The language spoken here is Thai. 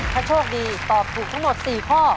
ถ้าโชคดีตอบถูกทั้งหมด๔ข้อ